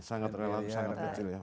sangat relatif sangat kecil ya